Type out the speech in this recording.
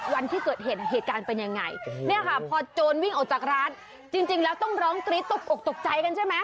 วิ่งออกจากร้านจริงแล้วต้องร้องกรี๊ดตกออกตกใจกันใช่ไหม